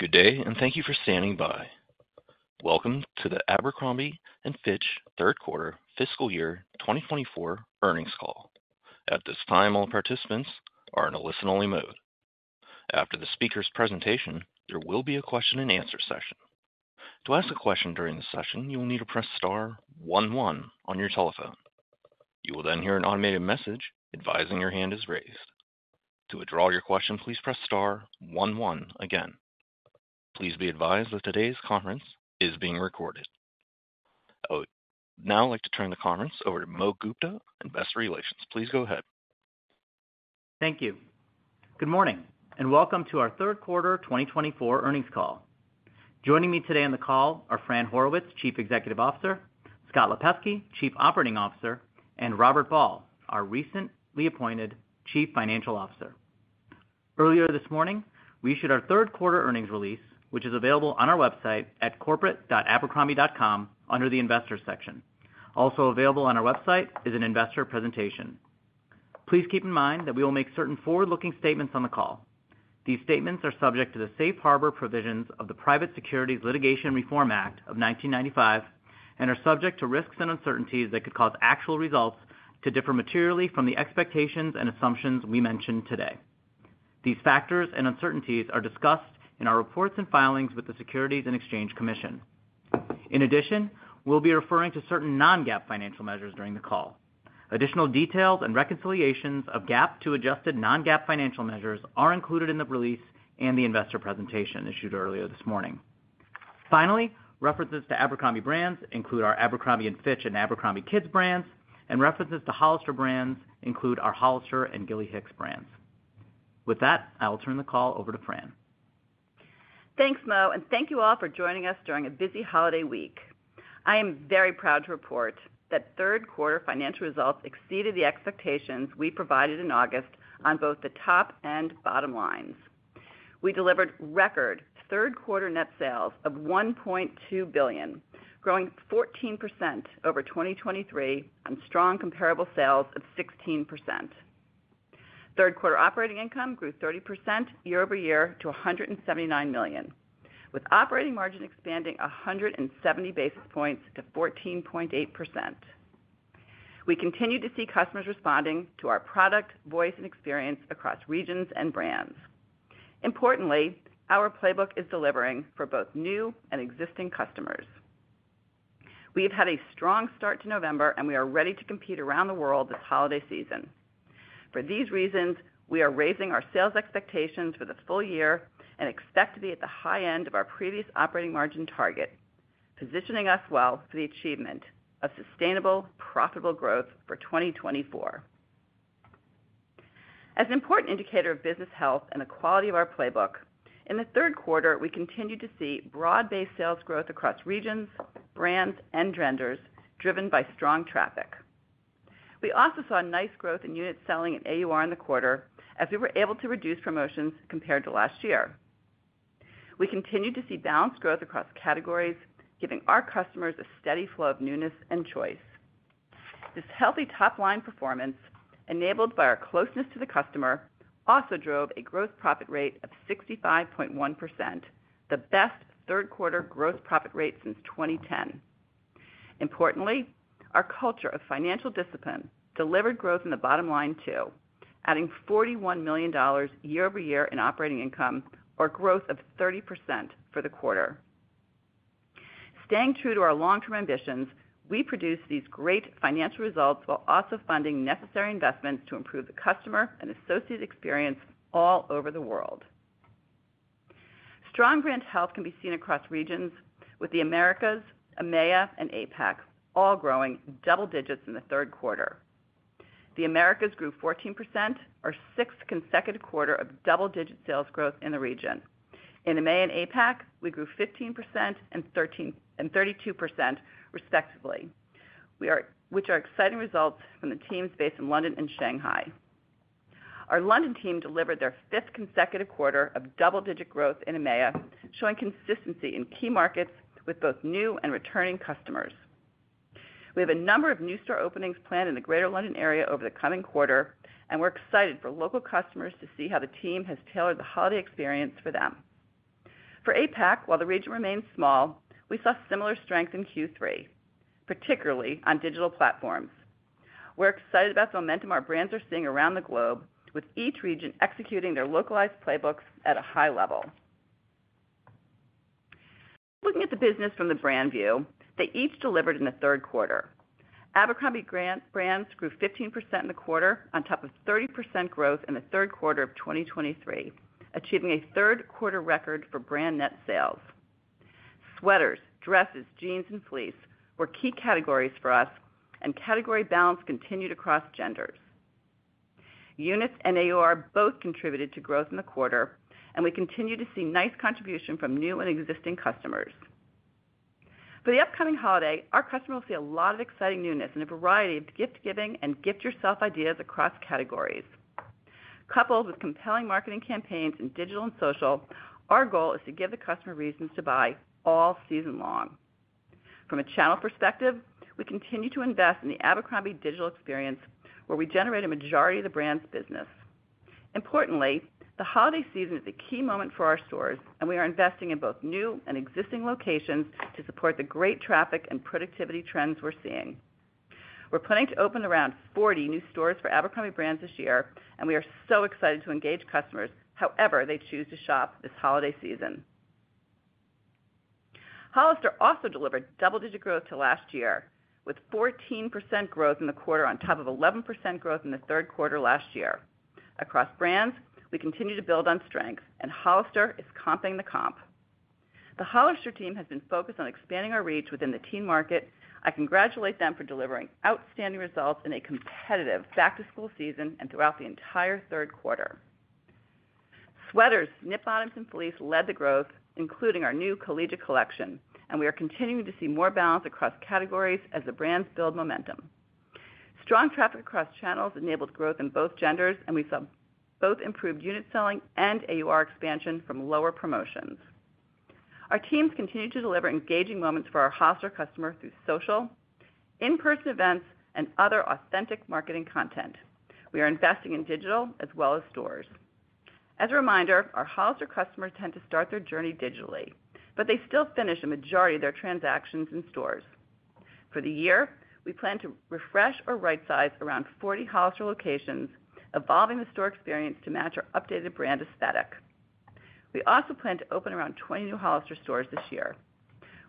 Good day, and thank you for standing by. Welcome to the Abercrombie & Fitch Third Quarter Fiscal Year 2024 Earnings Call. At this time, all participants are in a listen-only mode. After the speaker's presentation, there will be a question-and-answer session. To ask a question during the session, you will need to press star one-one on your telephone. You will then hear an automated message advising your hand is raised. To withdraw your question, please press star one-one again. Please be advised that today's conference is being recorded. I would now like to turn the conference over to Mohit Gupta, investor relations. Please go ahead. Thank you. Good morning, and welcome to our third quarter 2024 earnings call. Joining me today on the call are Fran Horowitz; Chief Executive Officer, Scott Lipesky; Chief Operating Officer, and Robert Ball, our recently appointed Chief Financial Officer. Earlier this morning, we issued our third quarter earnings release, which is available on our website at corporate.abercrombie.com under the Investor section. Also available on our website is an investor presentation. Please keep in mind that we will make certain forward-looking statements on the call. These statements are subject to the safe harbor provisions of the Private Securities Litigation Reform Act of 1995 and are subject to risks and uncertainties that could cause actual results to differ materially from the expectations and assumptions we mentioned today. These factors and uncertainties are discussed in our reports and filings with the Securities and Exchange Commission. In addition, we'll be referring to certain non-GAAP financial measures during the call. Additional details and reconciliations of GAAP to adjusted non-GAAP financial measures are included in the release and the investor presentation issued earlier this morning. Finally, references to Abercrombie & Fitch and Abercrombie & Fitch Kids brands, and references to Hollister brands include our Hollister and Gilly Hicks brands. With that, I will turn the call over to Fran. Thanks, Mo, and thank you all for joining us during a busy holiday week. I am very proud to report that third quarter financial results exceeded the expectations we provided in August on both the top and bottom lines. We delivered record third quarter net sales of $1.2 billion, growing 14% over 2023 on strong comparable sales of 16%. Third quarter operating income grew 30% year over year to $179 million, with operating margin expanding 170 basis points to 14.8%. We continue to see customers responding to our product, voice, and experience across regions and brands. Importantly, our playbook is delivering for both new and existing customers. We have had a strong start to November, and we are ready to compete around the world this holiday season. For these reasons, we are raising our sales expectations for the full year and expect to be at the high end of our previous operating margin target, positioning us well for the achievement of sustainable, profitable growth for 2024. As an important indicator of business health and the quality of our playbook, in the third quarter, we continue to see broad-based sales growth across regions, brands, and genders driven by strong traffic. We also saw nice growth in unit selling and AUR in the quarter as we were able to reduce promotions compared to last year. We continue to see balanced growth across categories, giving our customers a steady flow of newness and choice. This healthy top-line performance, enabled by our closeness to the customer, also drove a gross profit rate of 65.1%, the best third quarter gross profit rate since 2010. Importantly, our culture of financial discipline delivered growth in the bottom line too, adding $41 million year over year in operating income, or growth of 30% for the quarter. Staying true to our long-term ambitions, we produce these great financial results while also funding necessary investments to improve the customer and associates' experience all over the world. Strong brand health can be seen across regions, with the Americas, EMEA, and APAC all growing double digits in the third quarter. The Americas grew 14%, our sixth consecutive quarter of double-digit sales growth in the region. In EMEA and APAC, we grew 15% and 32% respectively, which are exciting results from the teams based in London and Shanghai. Our London team delivered their fifth consecutive quarter of double-digit growth in EMEA, showing consistency in key markets with both new and returning customers. We have a number of new store openings planned in the Greater London area over the coming quarter, and we're excited for local customers to see how the team has tailored the holiday experience for them. For APAC, while the region remains small, we saw similar strength in Q3, particularly on digital platforms. We're excited about the momentum our brands are seeing around the globe, with each region executing their localized playbooks at a high level. Looking at the business from the brand view, they each delivered in the third quarter. Abercrombie & Fitch brands grew 15% in the quarter on top of 30% growth in the third quarter of 2023, achieving a third quarter record for brand net sales. Sweaters, dresses, jeans, and fleece were key categories for us, and category balance continued across genders. Units and AUR both contributed to growth in the quarter, and we continue to see nice contribution from new and existing customers. For the upcoming holiday, our customers will see a lot of exciting newness in a variety of gift-giving and gift-yourself ideas across categories. Coupled with compelling marketing campaigns in digital and social, our goal is to give the customer reasons to buy all season long. From a channel perspective, we continue to invest in the Abercrombie digital experience, where we generate a majority of the brand's business. Importantly, the holiday season is a key moment for our stores, and we are investing in both new and existing locations to support the great traffic and productivity trends we're seeing. We're planning to open around 40 new stores for Abercrombie & Fitch brands this year, and we are so excited to engage customers however they choose to shop this holiday season. Hollister also delivered double-digit growth to last year, with 14% growth in the quarter on top of 11% growth in the third quarter last year. Across brands, we continue to build on strength, and Hollister is comping the comp. The Hollister team has been focused on expanding our reach within the teen market. I congratulate them for delivering outstanding results in a competitive back-to-school season and throughout the entire third quarter. Sweaters, knit bottoms, and fleece led the growth, including our new collegiate collection, and we are continuing to see more balance across categories as the brands build momentum. Strong traffic across channels enabled growth in both genders, and we saw both improved unit selling and AUR expansion from lower promotions. Our teams continue to deliver engaging moments for our Hollister customers through social, in-person events, and other authentic marketing content. We are investing in digital as well as stores. As a reminder, our Hollister customers tend to start their journey digitally, but they still finish a majority of their transactions in stores. For the year, we plan to refresh or right-size around 40 Hollister locations, evolving the store experience to match our updated brand aesthetic. We also plan to open around 20 new Hollister stores this year.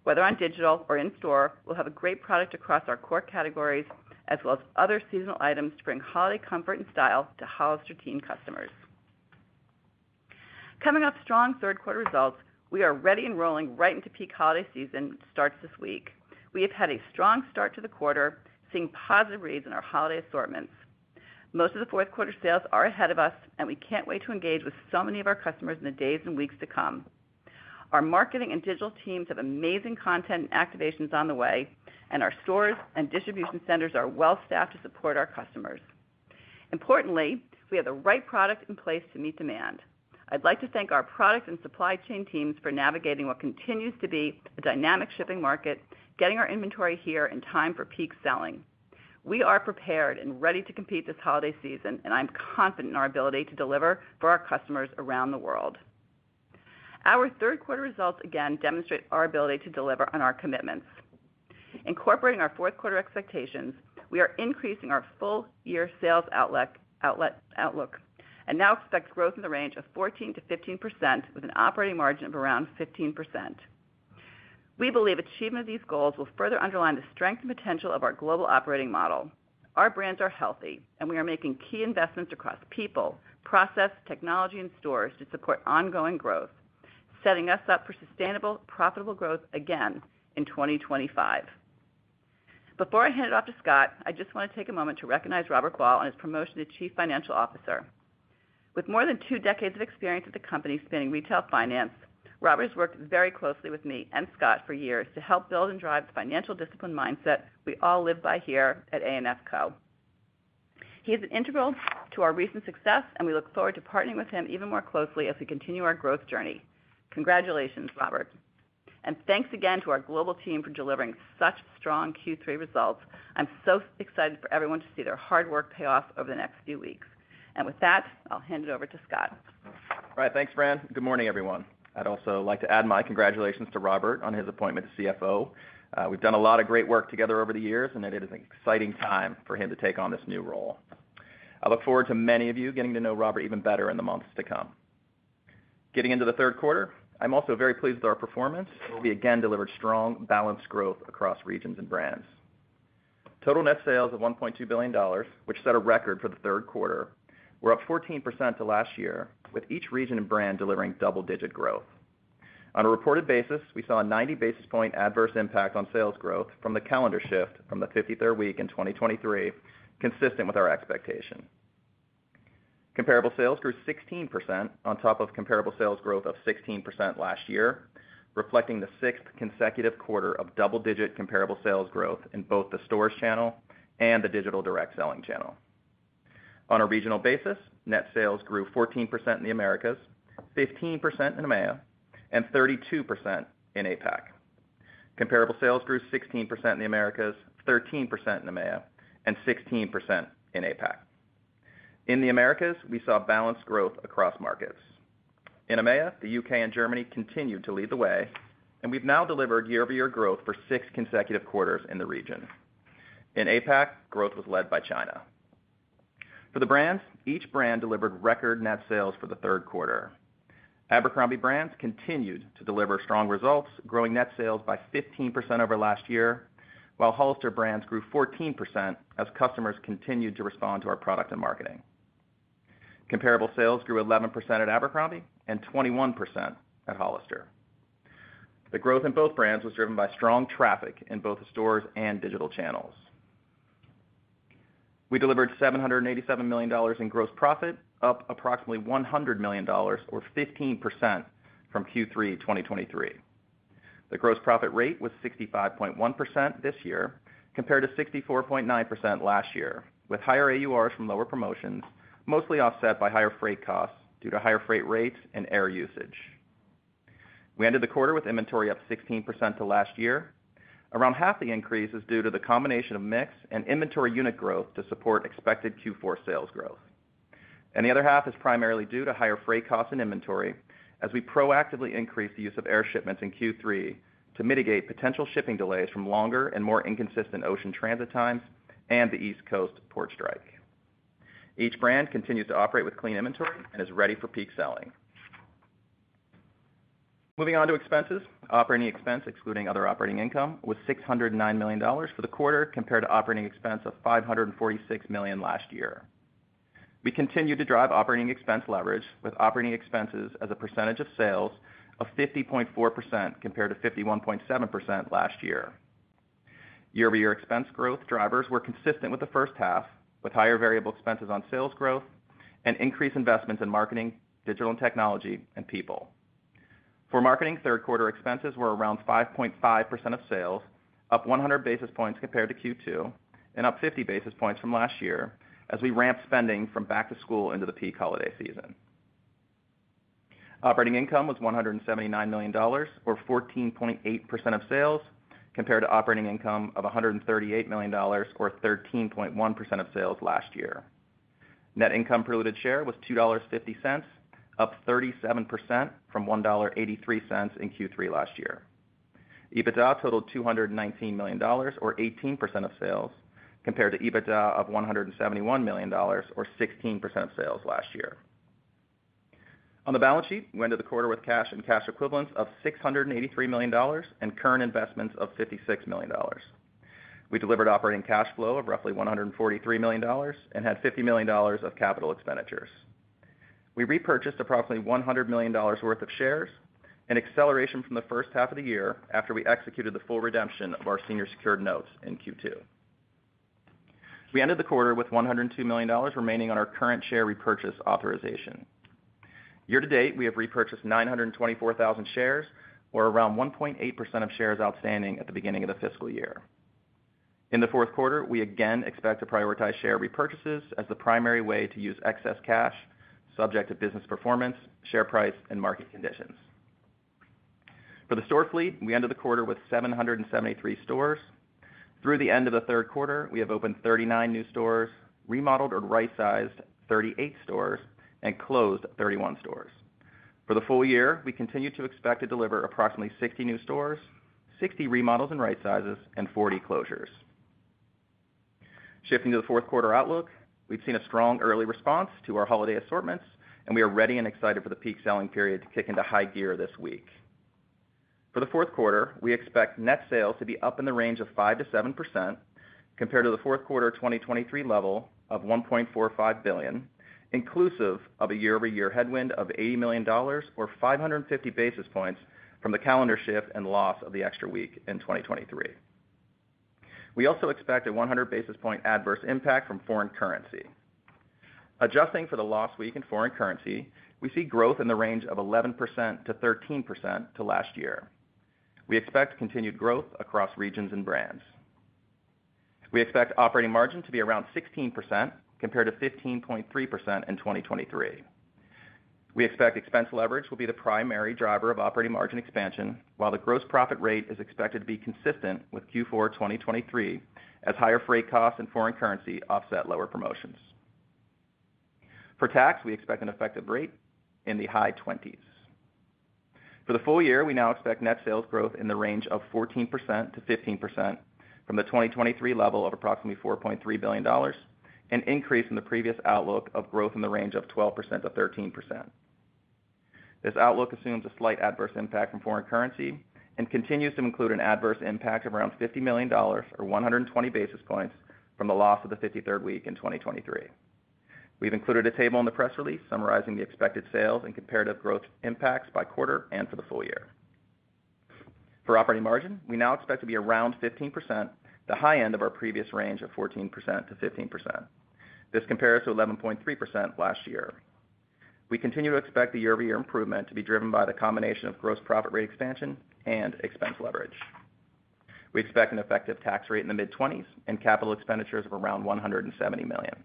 Whether on digital or in-store, we'll have a great product across our core categories as well as other seasonal items to bring holiday comfort and style to Hollister teen customers. Coming off strong third quarter results, we are ready and rolling right into peak holiday season that starts this week. We have had a strong start to the quarter, seeing positive reads in our holiday assortments. Most of the fourth quarter sales are ahead of us, and we can't wait to engage with so many of our customers in the days and weeks to come. Our marketing and digital teams have amazing content and activations on the way, and our stores and distribution centers are well-staffed to support our customers. Importantly, we have the right product in place to meet demand. I'd like to thank our product and supply chain teams for navigating what continues to be a dynamic shipping market, getting our inventory here in time for peak selling. We are prepared and ready to compete this holiday season, and I'm confident in our ability to deliver for our customers around the world. Our third quarter results again demonstrate our ability to deliver on our commitments. Incorporating our fourth quarter expectations, we are increasing our full-year sales outlook and now expect growth in the range of 14%-15% with an operating margin of around 15%. We believe achievement of these goals will further underline the strength and potential of our global operating model. Our brands are healthy, and we are making key investments across people, process, technology, and stores to support ongoing growth, setting us up for sustainable, profitable growth again in 2025. Before I hand it off to Scott, I just want to take a moment to recognize Robert Ball and his promotion to Chief Financial Officer. With more than two decades of experience at the company spanning retail finance, Robert has worked very closely with me and Scott for years to help build and drive the financial discipline mindset we all live by here at A&F Co. He is integral to our recent success, and we look forward to partnering with him even more closely as we continue our growth journey. Congratulations, Robert, and thanks again to our global team for delivering such strong Q3 results. I'm so excited for everyone to see their hard work pay off over the next few weeks. With that, I'll hand it over to Scott. All right, thanks, Fran. Good morning, everyone. I'd also like to add my congratulations to Robert on his appointment to CFO. We've done a lot of great work together over the years, and it is an exciting time for him to take on this new role. I look forward to many of you getting to know Robert even better in the months to come. Getting into the third quarter, I'm also very pleased with our performance. We again delivered strong, balanced growth across regions and brands. Total net sales of $1.2 billion, which set a record for the third quarter, were up 14% to last year, with each region and brand delivering double-digit growth. On a reported basis, we saw a 90 basis point adverse impact on sales growth from the calendar shift from the 53rd week in 2023, consistent with our expectation. Comparable sales grew 16% on top of comparable sales growth of 16% last year, reflecting the sixth consecutive quarter of double-digit comparable sales growth in both the stores channel and the digital direct selling channel. On a regional basis, net sales grew 14% in the Americas, 15% in EMEA, and 32% in APAC. Comparable sales grew 16% in the Americas, 13% in EMEA, and 16% in APAC. In the Americas, we saw balanced growth across markets. In EMEA, the UK and Germany continued to lead the way, and we've now delivered year-over-year growth for six consecutive quarters in the region. In APAC, growth was led by China. For the brands, each brand delivered record net sales for the third quarter. Abercrombie brands continued to deliver strong results, growing net sales by 15% over last year, while Hollister brands grew 14% as customers continued to respond to our product and marketing. Comparable sales grew 11% at Abercrombie and 21% at Hollister. The growth in both brands was driven by strong traffic in both the stores and digital channels. We delivered $787 million in gross profit, up approximately $100 million, or 15% from Q3 2023. The gross profit rate was 65.1% this year, compared to 64.9% last year, with higher AURs from lower promotions, mostly offset by higher freight costs due to higher freight rates and air usage. We ended the quarter with inventory up 16% to last year. Around half the increase is due to the combination of mix and inventory unit growth to support expected Q4 sales growth. The other half is primarily due to higher freight costs and inventory as we proactively increased the use of air shipments in Q3 to mitigate potential shipping delays from longer and more inconsistent ocean transit times and the East Coast port strike. Each brand continues to operate with clean inventory and is ready for peak selling. Moving on to expenses, operating expense, excluding other operating income, was $609 million for the quarter compared to operating expense of $546 million last year. We continue to drive operating expense leverage with operating expenses as a percentage of sales of 50.4% compared to 51.7% last year. Year-over-year expense growth drivers were consistent with the first half, with higher variable expenses on sales growth and increased investments in marketing, digital and technology, and people. For marketing, third quarter expenses were around 5.5% of sales, up 100 basis points compared to Q2, and up 50 basis points from last year as we ramped spending from back to school into the peak holiday season. Operating income was $179 million, or 14.8% of sales, compared to operating income of $138 million, or 13.1% of sales last year. Net income per diluted share was $2.50, up 37% from $1.83 in Q3 last year. EBITDA totaled $219 million, or 18% of sales, compared to EBITDA of $171 million, or 16% of sales last year. On the balance sheet, we ended the quarter with cash and cash equivalents of $683 million and current investments of $56 million. We delivered operating cash flow of roughly $143 million and had $50 million of capital expenditures. We repurchased approximately $100 million worth of shares, an acceleration from the first half of the year after we executed the full redemption of our senior secured notes in Q2. We ended the quarter with $102 million remaining on our current share repurchase authorization. Year to date, we have repurchased 924,000 shares, or around 1.8% of shares outstanding at the beginning of the fiscal year. In the fourth quarter, we again expect to prioritize share repurchases as the primary way to use excess cash, subject to business performance, share price, and market conditions. For the store fleet, we ended the quarter with 773 stores. Through the end of the third quarter, we have opened 39 new stores, remodeled or right-sized 38 stores, and closed 31 stores. For the full year, we continue to expect to deliver approximately 60 new stores, 60 remodels and right-sizes, and 40 closures. Shifting to the fourth quarter outlook, we've seen a strong early response to our holiday assortments, and we are ready and excited for the peak selling period to kick into high gear this week. For the fourth quarter, we expect net sales to be up in the range of 5%-7% compared to the fourth quarter 2023 level of $1.45 billion, inclusive of a year-over-year headwind of $80 million, or 550 basis points from the calendar shift and loss of the extra week in 2023. We also expect a 100 basis point adverse impact from foreign currency. Adjusting for the loss week in foreign currency, we see growth in the range of 11%-13% to last year. We expect continued growth across regions and brands. We expect operating margin to be around 16% compared to 15.3% in 2023. We expect expense leverage will be the primary driver of operating margin expansion, while the gross profit rate is expected to be consistent with Q4 2023 as higher freight costs and foreign currency offset lower promotions. For tax, we expect an effective rate in the high 20s%. For the full year, we now expect net sales growth in the range of 14%-15% from the 2023 level of approximately $4.3 billion, an increase in the previous outlook of growth in the range of 12%-13%. This outlook assumes a slight adverse impact from foreign currency and continues to include an adverse impact of around $50 million, or 120 basis points from the loss of the 53rd week in 2023. We've included a table in the press release summarizing the expected sales and comparative growth impacts by quarter and for the full year. For operating margin, we now expect to be around 15%, the high end of our previous range of 14%-15%. This compares to 11.3% last year. We continue to expect the year-over-year improvement to be driven by the combination of gross profit rate expansion and expense leverage. We expect an effective tax rate in the mid-20s% and capital expenditures of around $170 million.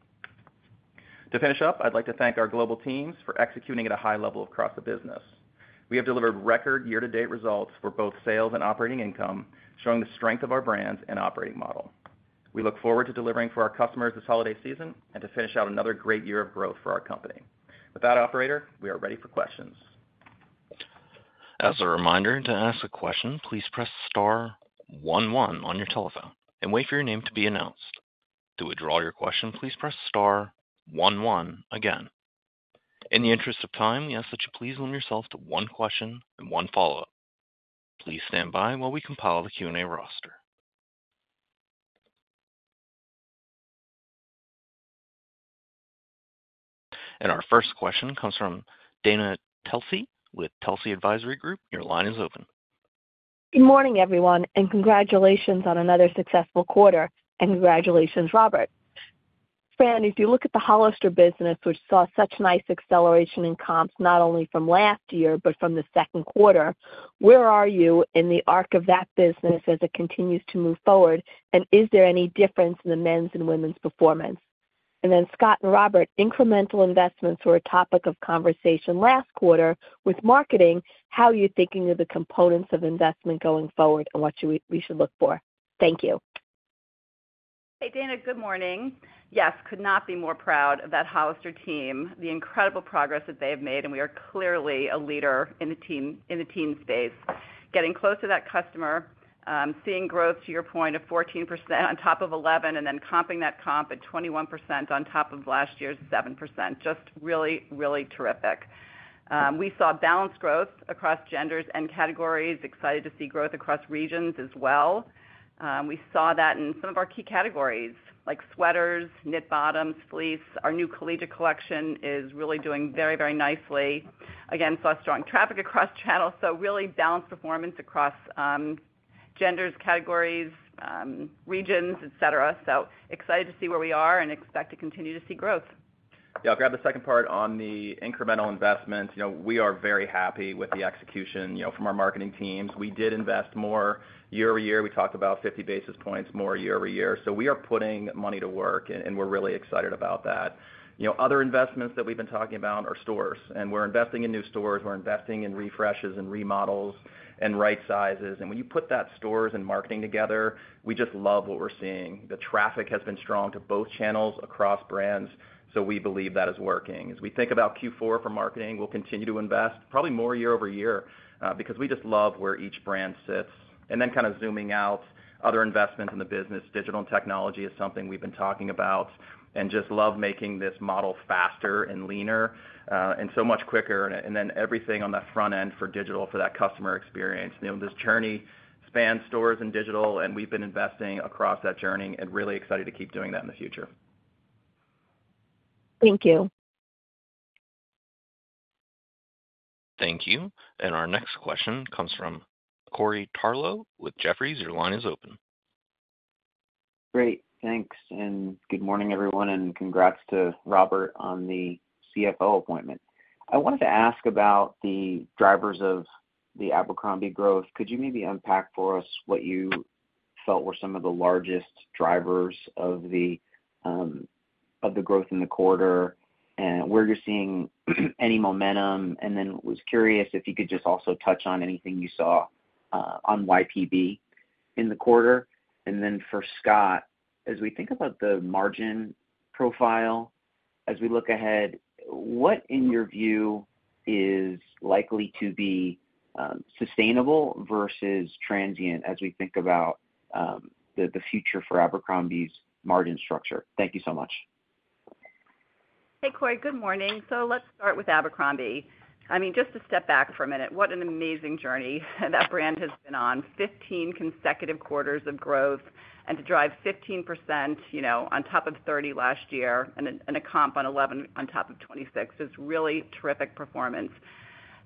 To finish up, I'd like to thank our global teams for executing at a high level across the business. We have delivered record year-to-date results for both sales and operating income, showing the strength of our brands and operating model. We look forward to delivering for our customers this holiday season and to finish out another great year of growth for our company. With that, operator, we are ready for questions. As a reminder, to ask a question, please press Star one-one on your telephone and wait for your name to be announced. To withdraw your question, please press Star one-one again. In the interest of time, we ask that you please limit yourself to one question and one follow-up. Please stand by while we compile the Q&A roster, and our first question comes from Dana Telsey with Telsey Advisory Group. Your line is open. Good morning, everyone, and congratulations on another successful quarter, and congratulations, Robert. Fran, if you look at the Hollister business, which saw such nice acceleration in comps not only from last year but from the second quarter, where are you in the arc of that business as it continues to move forward, and is there any difference in the men's and women's performance? And then Scott and Robert, incremental investments were a topic of conversation last quarter. With marketing, how are you thinking of the components of investment going forward and what should we look for? Thank you. Hey, Dana, good morning. Yes, could not be more proud of that Hollister team, the incredible progress that they have made, and we are clearly a leader in the teen space. Getting close to that customer, seeing growth, to your point, of 14% on top of 11%, and then comping that comp at 21% on top of last year's 7%. Just really, really terrific. We saw balanced growth across genders and categories. Excited to see growth across regions as well. We saw that in some of our key categories like sweaters, knit bottoms, fleece. Our new Collegiate collection is really doing very, very nicely. Again, saw strong traffic across channels, so really balanced performance across genders, categories, regions, etc. So excited to see where we are and expect to continue to see growth. Yeah, I'll grab the second part on the incremental investments. We are very happy with the execution from our marketing teams. We did invest more year-over-year. We talked about 50 basis points more year-over-year. So we are putting money to work, and we're really excited about that. Other investments that we've been talking about are stores, and we're investing in new stores. We're investing in refreshes and remodels and right-sizes. And when you put that stores and marketing together, we just love what we're seeing. The traffic has been strong to both channels across brands, so we believe that is working. As we think about Q4 for marketing, we'll continue to invest probably more year-over-year because we just love where each brand sits. And then, kind of zooming out, other investments in the business. Digital and technology is something we've been talking about, and just love making this model faster and leaner and so much quicker. And then everything on that front end for digital for that customer experience. This journey spans stores and digital, and we've been investing across that journey and really excited to keep doing that in the future. Thank you. Thank you. And our next question comes from Corey Tarlowe with Jefferies. Your line is open. Great. Thanks. And good morning, everyone, and congrats to Robert on the CFO appointment. I wanted to ask about the drivers of the Abercrombie growth. Could you maybe unpack for us what you felt were some of the largest drivers of the growth in the quarter and where you're seeing any momentum? And then was curious if you could just also touch on anything you saw on YPB in the quarter. And then for Scott, as we think about the margin profile, as we look ahead, what in your view is likely to be sustainable versus transient as we think about the future for Abercrombie's margin structure? Thank you so much. Hey, Corey, good morning. So let's start with Abercrombie. I mean, just to step back for a minute, what an amazing journey that brand has been on. A 15 consecutive quarters of growth and to drive 15% on top of 30% last year and a comp on 11% on top of 26% is really terrific performance.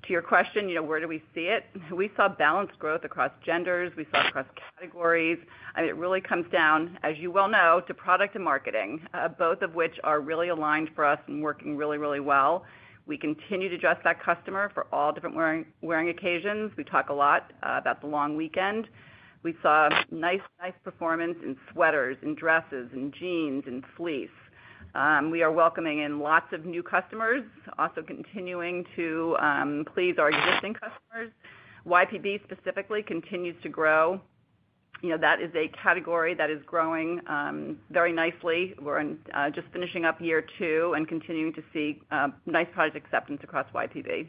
To your question, where do we see it? We saw balanced growth across genders. We saw across categories. I mean, it really comes down, as you well know, to product and marketing, both of which are really aligned for us and working really, really well. We continue to address that customer for all different wearing occasions. We talk a lot about the long weekend. We saw nice, nice performance in sweaters and dresses and jeans and fleece. We are welcoming in lots of new customers, also continuing to please our existing customers. YPB specifically continues to grow. That is a category that is growing very nicely. We're just finishing up year two and continuing to see nice product acceptance across YPB.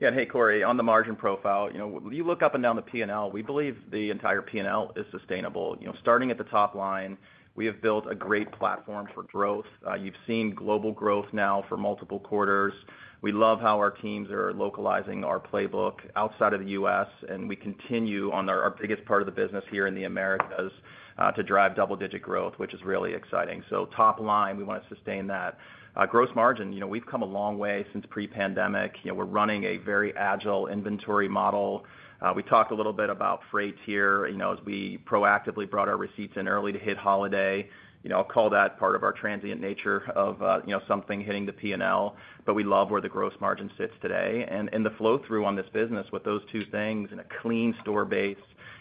Yeah. And hey, Cory, on the margin profile, you look up and down the P&L, we believe the entire P&L is sustainable. Starting at the top line, we have built a great platform for growth. You've seen global growth now for multiple quarters. We love how our teams are localizing our playbook outside of the U.S., and we continue on our biggest part of the business here in the Americas to drive double-digit growth, which is really exciting. So top line, we want to sustain that. Gross margin, we've come a long way since pre-pandemic. We're running a very agile inventory model. We talked a little bit about freight here as we proactively brought our receipts in early to hit holiday. I'll call that part of our transient nature of something hitting the P&L, but we love where the gross margin sits today. And the flow-through on this business with those two things and a clean store base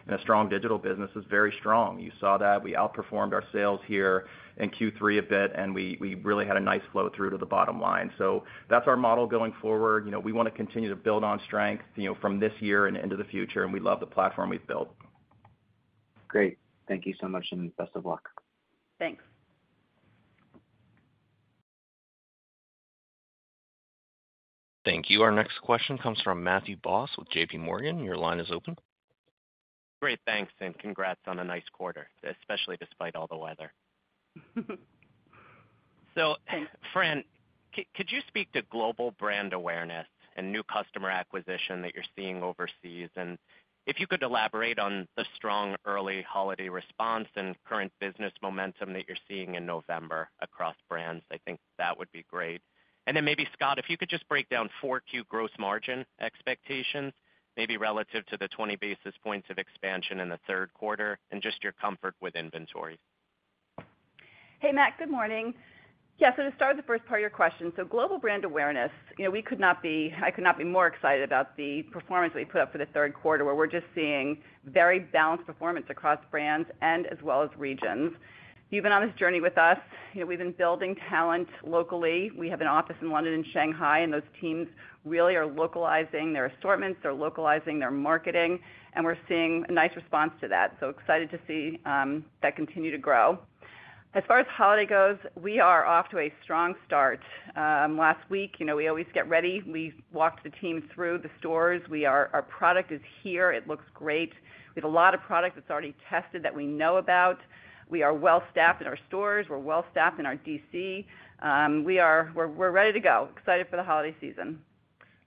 and a strong digital business is very strong. You saw that. We outperformed our sales here in Q3 a bit, and we really had a nice flow-through to the bottom line. So that's our model going forward. We want to continue to build on strength from this year and into the future, and we love the platform we've built. Great. Thank you so much, and best of luck. Thanks. Thank you. Our next question comes from Matthew Boss with JPMorgan. Your line is open. Great. Thanks. And congrats on a nice quarter, especially despite all the weather. So Fran, could you speak to global brand awareness and new customer acquisition that you're seeing overseas? And if you could elaborate on the strong early holiday response and current business momentum that you're seeing in November across brands, I think that would be great. And then maybe, Scott, if you could just break down four-wall gross margin expectations, maybe relative to the 20 basis points of expansion in the third quarter and just your comfort with inventory. Hey, Matt. Good morning. Yeah. So to start with the first part of your question, so global brand awareness, we could not be more excited about the performance that we put up for the third quarter where we're just seeing very balanced performance across brands and as well as regions. You've been on this journey with us. We've been building talent locally. We have an office in London and Shanghai, and those teams really are localizing their assortments. They're localizing their marketing, and we're seeing a nice response to that. So excited to see that continue to grow. As far as holiday goes, we are off to a strong start. Last week, we always get ready. We walked the team through the stores. Our product is here. It looks great. We have a lot of product that's already tested that we know about. We are well-staffed in our stores. We're well-staffed in our DC. We're ready to go. Excited for the holiday season.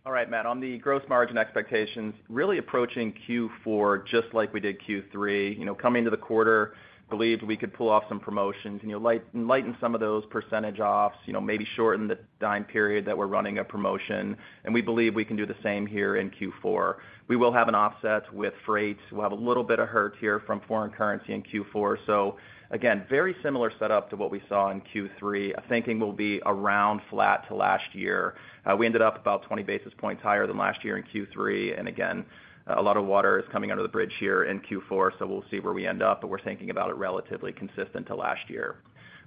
All right, Matt. On the gross margin expectations, really approaching Q4 just like we did Q3. Coming into the quarter, believed we could pull off some promotions and lighten some of those percentage offs, maybe shorten the time period that we're running a promotion. And we believe we can do the same here in Q4. We will have an offset with freight. We'll have a little bit of hurt here from foreign currency in Q4. So again, very similar setup to what we saw in Q3. I'm thinking we'll be around flat to last year. We ended up about 20 basis points higher than last year in Q3. And again, a lot of water is coming under the bridge here in Q4, so we'll see where we end up, but we're thinking about it relatively consistent to last year.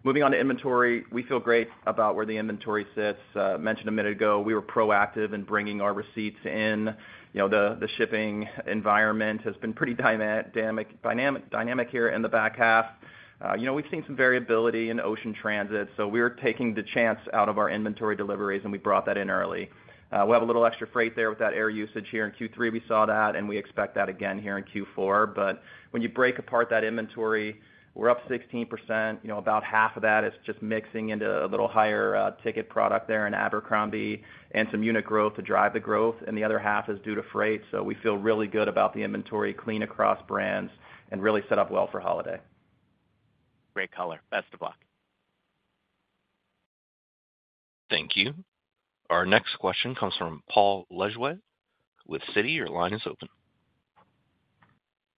Moving on to inventory, we feel great about where the inventory sits. Mentioned a minute ago, we were proactive in bringing our receipts in. The shipping environment has been pretty dynamic here in the back half. We've seen some variability in ocean transit, so we were taking the chance out of our inventory deliveries, and we brought that in early. We have a little extra freight there with that air usage here in Q3. We saw that, and we expect that again here in Q4. But when you break apart that inventory, we're up 16%. About half of that is just mixing into a little higher ticket product there in Abercrombie and some unit growth to drive the growth, and the other half is due to freight. So we feel really good about the inventory, clean across brands, and really set up well for holiday. Great color. Best of luck. Thank you. Our next question comes from Paul Lejuez with Citi. Your line is open.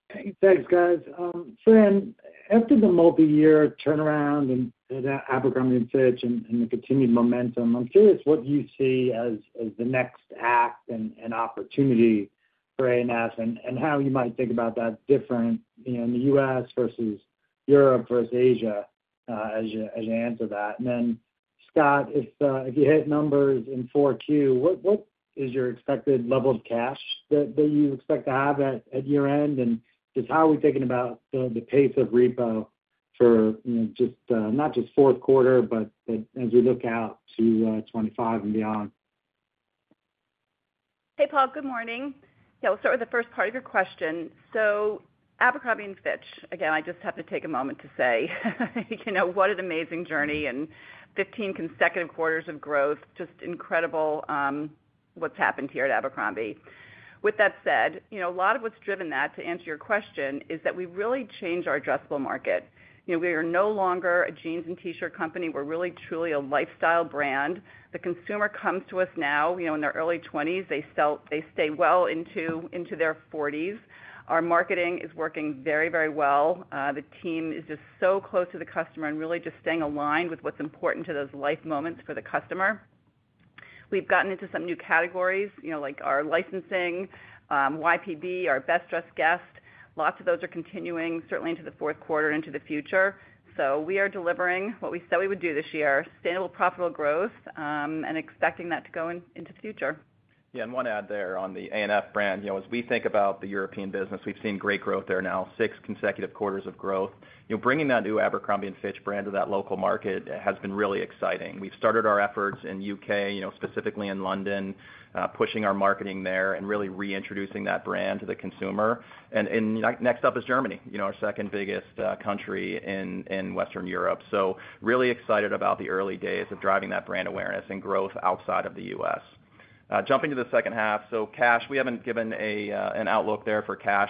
Hey, thanks, guys. Fran, after the multi-year turnaround in Abercrombie & Fitch and the continued momentum, I'm curious what you see as the next act and opportunity for A&F and how you might think about that different in the US versus Europe versus Asia as you answer that. And then, Scott, if you hit numbers in 4Q, what is your expected level of cash that you expect to have at year-end? And just how are we thinking about the pace of repo for, not just fourth quarter, but as we look out to 2025 and beyond? Hey, Paul. Good morning. Yeah, we'll start with the first part of your question. So Abercrombie & Fitch, again, I just have to take a moment to say what an amazing journey and 15 consecutive quarters of growth, just incredible what's happened here at Abercrombie. With that said, a lot of what's driven that, to answer your question, is that we really changed our addressable market. We are no longer a jeans and T-shirt company. We're really, truly a lifestyle brand. The consumer comes to us now in their early 20s. They stay well into their 40s. Our marketing is working very, very well. The team is just so close to the customer and really just staying aligned with what's important to those life moments for the customer. We've gotten into some new categories like our licensing, YPB, our Best Dressed Guest. Lots of those are continuing, certainly into the fourth quarter and into the future. So we are delivering what we said we would do this year: sustainable, profitable growth and expecting that to go into the future. Yeah. And one add there on the A&F brand. As we think about the European business, we've seen great growth there now, six consecutive quarters of growth. Bringing that new Abercrombie & Fitch brand to that local market has been really exciting. We've started our efforts in the U.K., specifically in London, pushing our marketing there and really reintroducing that brand to the consumer. And next up is Germany, our second biggest country in Western Europe. So really excited about the early days of driving that brand awareness and growth outside of the U.S. Jumping to the second half. So cash, we haven't given an outlook there for cash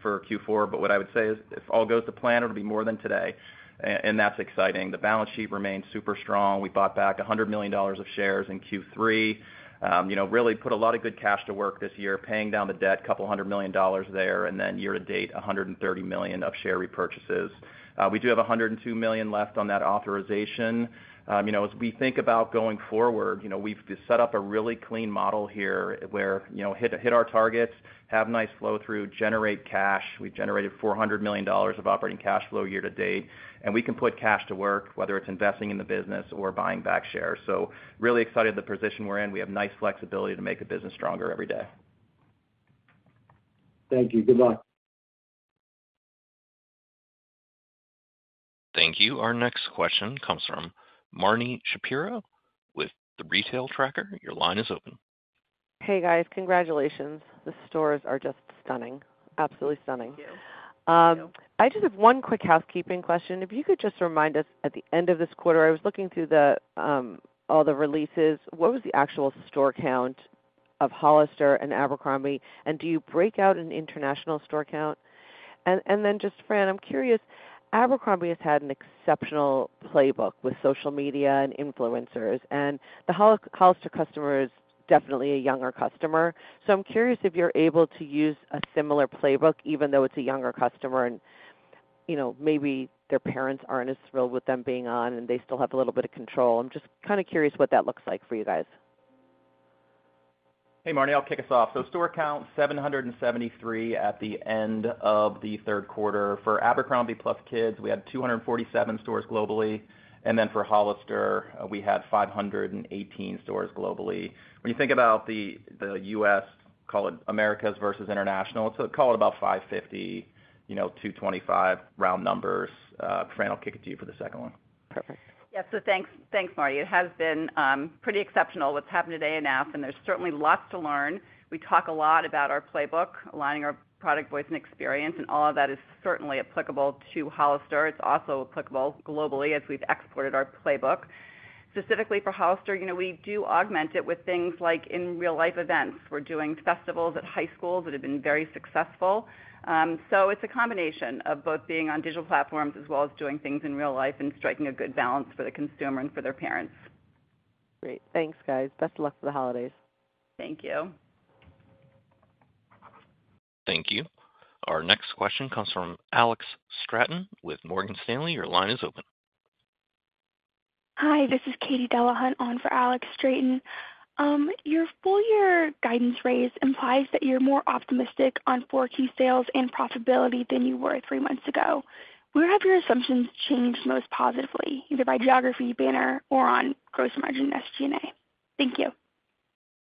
for Q4, but what I would say is if all goes to plan, it'll be more than today. And that's exciting. The balance sheet remains super strong. We bought back $100 million of shares in Q3, really put a lot of good cash to work this year, paying down the debt, $200 million there, and then year-to-date, $130 million of share repurchases. We do have $102 million left on that authorization. As we think about going forward, we've set up a really clean model here where hit our targets, have nice flow-through, generate cash. We've generated $400 million of operating cash flow year-to-date, and we can put cash to work, whether it's investing in the business or buying back shares. So really excited the position we're in. We have nice flexibility to make the business stronger every day. Thank you. Good luck. Thank you. Our next question comes from Marni Shapiro with The Retail Tracker. Your line is open. Hey, guys. Congratulations. The stores are just stunning. Absolutely stunning. Thank you. I just have one quick housekeeping question. If you could just remind us at the end of this quarter, I was looking through all the releases. What was the actual store count of Hollister and Abercrombie? And do you break out an international store count? And then just, Fran, I'm curious. Abercrombie has had an exceptional playbook with social media and influencers, and the Hollister customer is definitely a younger customer. So I'm curious if you're able to use a similar playbook, even though it's a younger customer, and maybe their parents aren't as thrilled with them being on, and they still have a little bit of control. I'm just kind of curious what that looks like for you guys. Hey, Marnie. I'll kick us off. So store count, 773 at the end of the third quarter. For Abercrombie Kids, we had 247 stores globally. And then for Hollister, we had 518 stores globally. When you think about the U.S., call it Americas versus international, so call it about 550, 225 round numbers. Fran, I'll kick it to you for the second one. Perfect. Yeah. So thanks, Marnie. It has been pretty exceptional what's happened at A&F, and there's certainly lots to learn. We talk a lot about our playbook, aligning our product voice and experience, and all of that is certainly applicable to Hollister. It's also applicable globally as we've exported our playbook. Specifically for Hollister, we do augment it with things like in real-life events. We're doing festivals at high schools that have been very successful. So it's a combination of both being on digital platforms as well as doing things in real life and striking a good balance for the consumer and for their parents. Great. Thanks, guys. Best of luck for the holidays. Thank you. Thank you. Our next question comes from Alex Straton with Morgan Stanley. Your line is open. Hi. This is Katy Delahunt on for Alex Straton. Your full-year guidance raise implies that you're more optimistic on 4Q sales and profitability than you were three months ago. Where have your assumptions changed most positively, either by geography, banner or on gross margin SG&A? Thank you.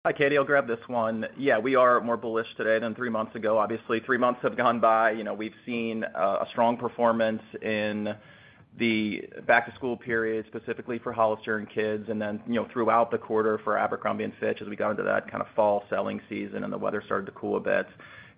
Hi, Katy. I'll grab this one. Yeah, we are more bullish today than three months ago, obviously. Three months have gone by. We've seen a strong performance in the back-to-school period, specifically for Hollister and kids, and then throughout the quarter for Abercrombie & Fitch as we got into that kind of fall selling season and the weather started to cool a bit.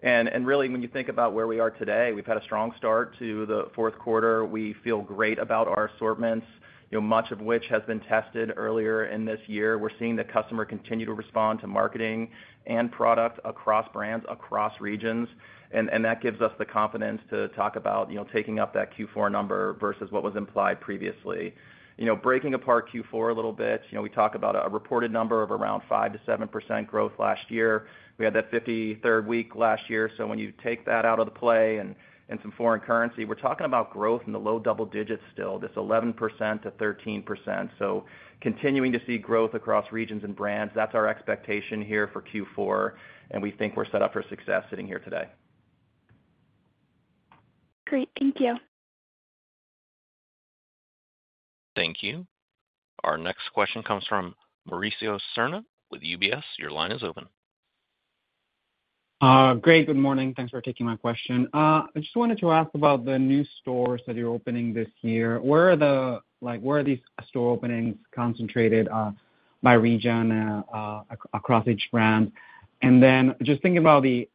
Really, when you think about where we are today, we've had a strong start to the fourth quarter. We feel great about our assortments, much of which has been tested earlier in this year. We're seeing the customer continue to respond to marketing and product across brands, across regions. That gives us the confidence to talk about taking up that Q4 number versus what was implied previously. Breaking apart Q4 a little bit, we talk about a reported number of around 5%-7% growth last year. We had that 53rd week last year. So when you take that out of the play and some foreign currency, we're talking about growth in the low double digits still, this 11%-13%. So continuing to see growth across regions and brands. That's our expectation here for Q4, and we think we're set up for success sitting here today. Great. Thank you. Thank you. Our next question comes from Mauricio Serna with UBS. Your line is open. Great. Good morning. Thanks for taking my question. I just wanted to ask about the new stores that you're opening this year. Where are these store openings concentrated by region across each brand? And then just thinking about the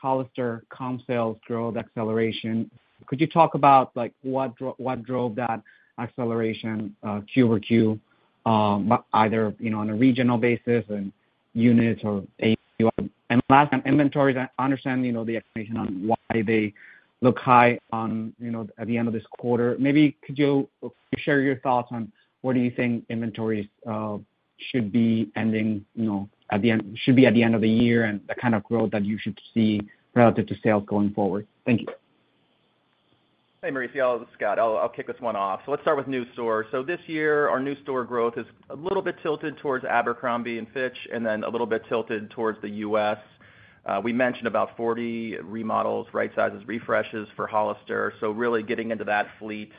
Hollister comp sales growth acceleration, could you talk about what drove that acceleration Q over Q, either on a regional basis and units or AUR? And last, inventories, I understand the expectation on why they look high at the end of this quarter. Maybe could you share your thoughts on where do you think inventories should be ending at the end of the year and the kind of growth that you should see relative to sales going forward? Thank you. Hey, Mauricio. This is Scott. I'll kick this one off. So let's start with new stores. So this year, our new store growth is a little bit tilted towards Abercrombie & Fitch and then a little bit tilted towards the U.S. We mentioned about 40 remodels, right-sizes, refreshes for Hollister. So really getting into that fleet,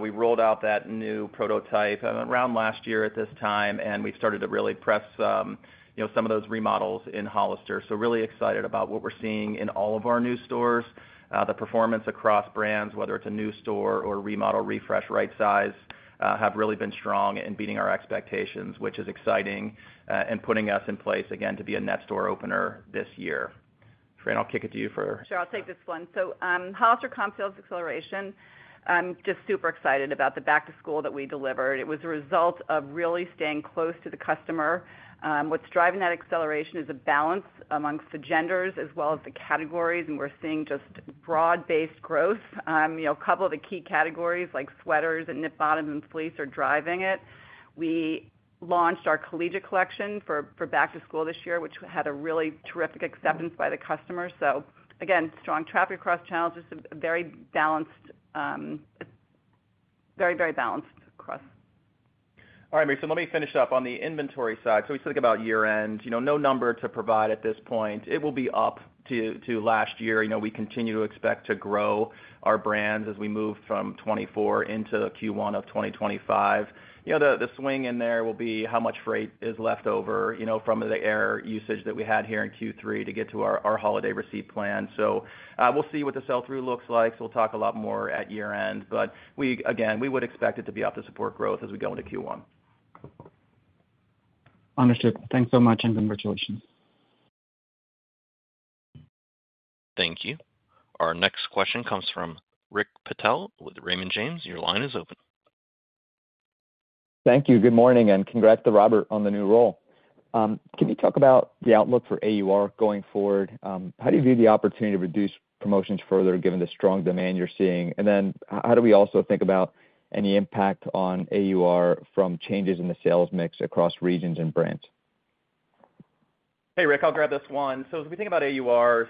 we rolled out that new prototype around last year at this time, and we started to really press some of those remodels in Hollister. So really excited about what we're seeing in all of our new stores. The performance across brands, whether it's a new store or remodel, refresh, right-size, have really been strong in beating our expectations, which is exciting and putting us in place, again, to be a net store opener this year. Fran, I'll kick it to you for. Sure. I'll take this one. So Hollister comp sales acceleration, I'm just super excited about the back-to-school that we delivered. It was a result of really staying close to the customer. What's driving that acceleration is a balance amongst the genders as well as the categories, and we're seeing just broad-based growth. A couple of the key categories like sweaters and knit bottoms and fleece are driving it. We launched our Collegiate Collection for back-to-school this year, which had a really terrific acceptance by the customer. So again, strong traffic across channels, just a very balanced, very, very balanced across. All right, Mauricio. Let me finish up on the inventory side. So we speak about year-end. No number to provide at this point. It will be up to last year. We continue to expect to grow our brands as we move from 2024 into Q1 of 2025. The swing in there will be how much freight is left over from the air usage that we had here in Q3 to get to our holiday receipt plan. So we'll see what the sell-through looks like. So we'll talk a lot more at year-end. But again, we would expect it to be up to support growth as we go into Q1. Understood. Thanks so much and congratulations. Thank you. Our next question comes from Rick Patel with Raymond James. Your line is open. Thank you. Good morning and congrats to Robert on the new role. Can you talk about the outlook for AUR going forward? How do you view the opportunity to reduce promotions further given the strong demand you're seeing? And then how do we also think about any impact on AUR from changes in the sales mix across regions and brands? Hey, Rick. I'll grab this one. So as we think about AURs,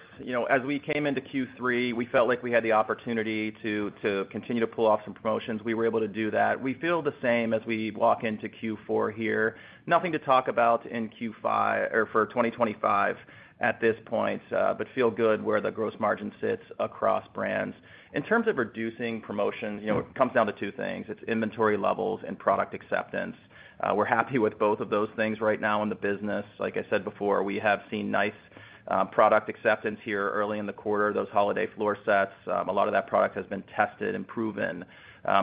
as we came into Q3, we felt like we had the opportunity to continue to pull off some promotions. We were able to do that. We feel the same as we walk into Q4 here. Nothing to talk about in Q5 or for 2025 at this point, but feel good where the gross margin sits across brands. In terms of reducing promotions, it comes down to two things. It's inventory levels and product acceptance. We're happy with both of those things right now in the business. Like I said before, we have seen nice product acceptance here early in the quarter, those holiday floor sets. A lot of that product has been tested and proven.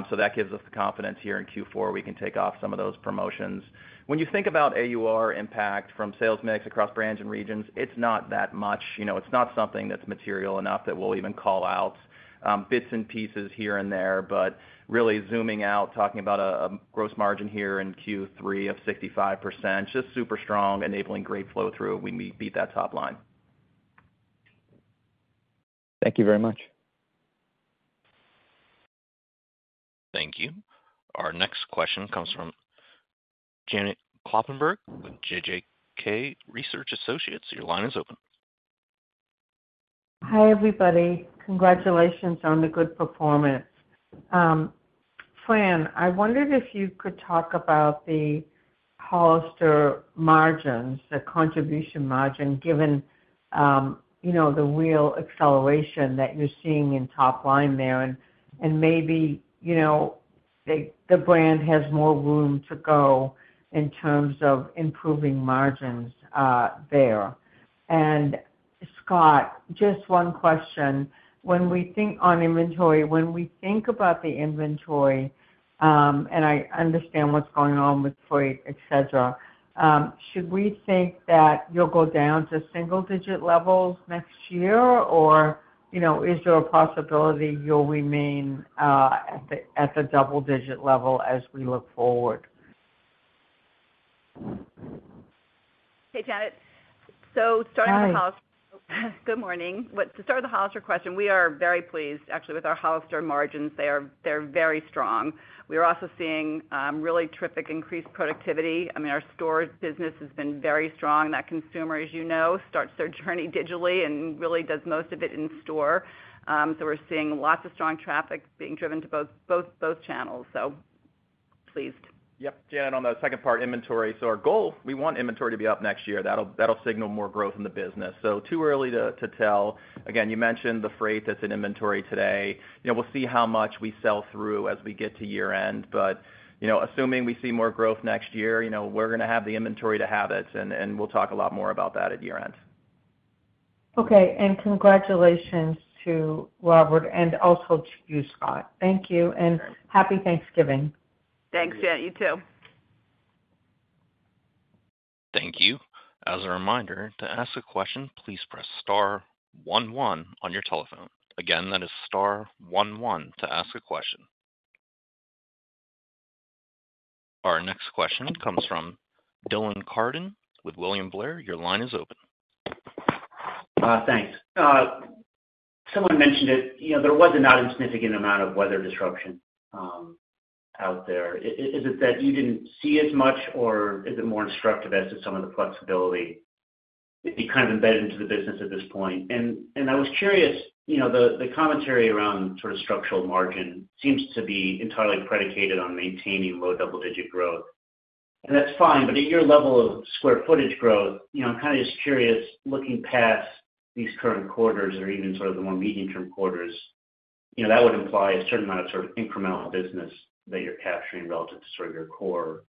So that gives us the confidence here in Q4 we can take off some of those promotions. When you think about AUR impact from sales mix across brands and regions, it's not that much. It's not something that's material enough that we'll even call out bits and pieces here and there, but really zooming out, talking about a gross margin here in Q3 of 65%, just super strong, enabling great flow-through when we beat that top line. Thank you very much. Thank you. Our next question comes from Janet Kloppenburg with JJK Research Associates. Your line is open. Hi everybody. Congratulations on the good performance. Fran, I wondered if you could talk about the Hollister margins, the contribution margin given the real acceleration that you're seeing in top line there, and maybe the brand has more room to go in terms of improving margins there. And Scott, just one question. When we think on inventory, when we think about the inventory, and I understand what's going on with freight, etc., should we think that you'll go down to single-digit levels next year, or is there a possibility you'll remain at the double-digit level as we look forward? Hey, Janet. So starting with Hollister. Good morning. To start with the Hollister question, we are very pleased, actually, with our Hollister margins. They're very strong. We are also seeing really terrific increased productivity. I mean, our store business has been very strong. That consumer, as you know, starts their journey digitally and really does most of it in store. So we're seeing lots of strong traffic being driven to both channels. So pleased. Yep. Janet on the second part, inventory. So our goal, we want inventory to be up next year. That'll signal more growth in the business. So too early to tell. Again, you mentioned the freight that's in inventory today. We'll see how much we sell through as we get to year-end. But assuming we see more growth next year, we're going to have the inventory to have it, and we'll talk a lot more about that at year-end. Okay. And congratulations to Robert and also to you, Scott. Thank you. And happy Thanksgiving. Thanks, Janet. You too. Thank you. As a reminder, to ask a question, please press Star one-one on your telephone. Again, that is Star one-one to ask a question. Our next question comes from Dylan Carden with William Blair. Your line is open. Thanks. Someone mentioned it. There was a not insignificant amount of weather disruption out there. Is it that you didn't see as much, or is it more instructive as to some of the flexibility that you kind of embedded into the business at this point? And I was curious, the commentary around sort of structural margin seems to be entirely predicated on maintaining low double-digit growth. And that's fine, but at your level of square footage growth, I'm kind of just curious, looking past these current quarters or even sort of the more medium-term quarters, that would imply a certain amount of sort of incremental business that you're capturing relative to sort of your core.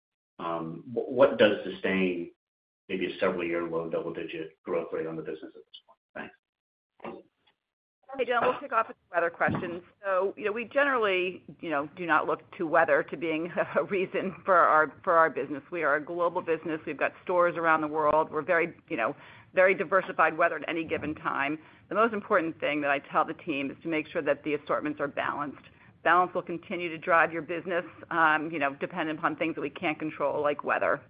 What does sustain maybe a several-year low double-digit growth rate on the business at this point? Thanks. Hey, John. We'll kick off with the weather questions. So we generally do not look to weather as being a reason for our business. We are a global business. We've got stores around the world. We're very diversified, weather at any given time. The most important thing that I tell the team is to make sure that the assortments are balanced. Balance will continue to drive your business independent of things that we can't control, like weather.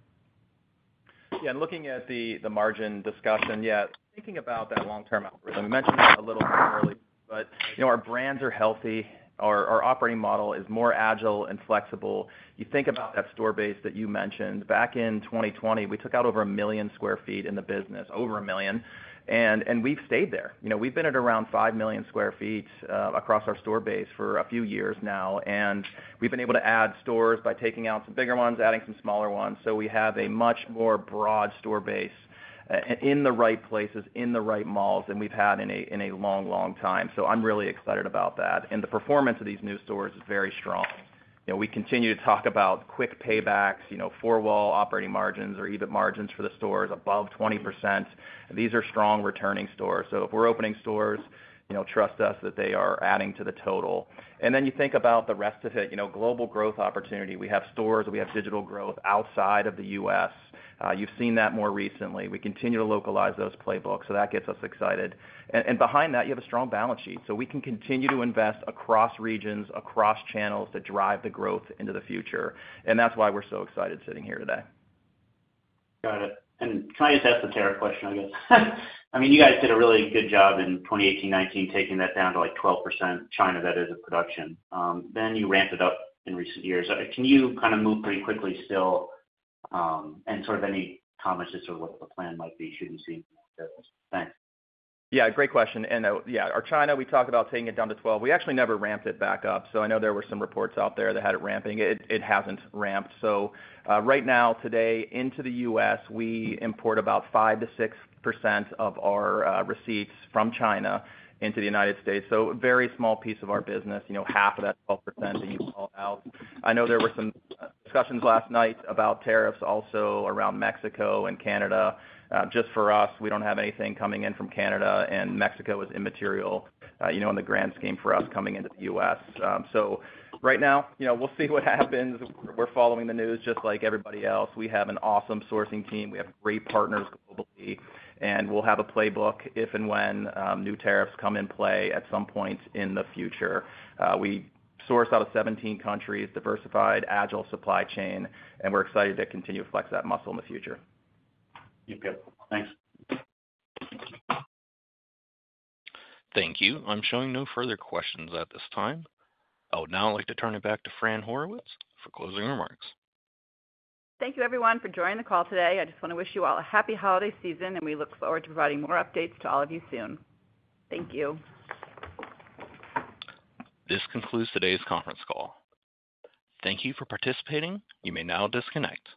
Yeah. And looking at the margin discussion, yeah, thinking about that long-term outlook, and we mentioned that a little earlier, but our brands are healthy. Our operating model is more agile and flexible. You think about that store base that you mentioned. Back in 2020, we took out over a million sq ft in the business, over a million. And we've stayed there. We've been at around 5 million sq ft across our store base for a few years now. And we've been able to add stores by taking out some bigger ones, adding some smaller ones. So we have a much more broad store base in the right places, in the right malls than we've had in a long, long time. So I'm really excited about that. And the performance of these new stores is very strong. We continue to talk about quick paybacks, four-wall operating margins or even margins for the stores above 20%. These are strong returning stores. So if we're opening stores, trust us that they are adding to the total. And then you think about the rest of it, global growth opportunity. We have stores. We have digital growth outside of the U.S.. You've seen that more recently. We continue to localize those playbooks. So that gets us excited. And behind that, you have a strong balance sheet. So we can continue to invest across regions, across channels to drive the growth into the future. And that's why we're so excited sitting here today. Got it. And can I just ask a tariff question, I guess? I mean, you guys did a really good job in 2018, 2019, taking that down to like 12% China, that is, of production. Then you ramped it up in recent years. Can you kind of move pretty quickly still and sort of any comments as to what the plan might be should you see that? Thanks. Yeah. Great question, and yeah, our China, we talk about taking it down to 12. We actually never ramped it back up. So I know there were some reports out there that had it ramping. It hasn't ramped. So right now, today, into the U.S., we import about 5%-6% of our receipts from China into the United States. So a very small piece of our business, half of that 12% that you call out. I know there were some discussions last night about tariffs also around Mexico and Canada. Just for us, we don't have anything coming in from Canada, and Mexico is immaterial on the grand scheme for us coming into the U.S.. So right now, we'll see what happens. We're following the news just like everybody else. We have an awesome sourcing team. We have great partners globally. We'll have a playbook if and when new tariffs come in play at some point in the future. We source out of 17 countries, diversified, agile supply chain, and we're excited to continue to flex that muscle in the future. You too. Thanks. Thank you. I'm showing no further questions at this time. Oh, now I'd like to turn it back to Fran Horowitz for closing remarks. Thank you, everyone, for joining the call today. I just want to wish you all a happy holiday season, and we look forward to providing more updates to all of you soon. Thank you. This concludes today's conference call. Thank you for participating. You may now disconnect.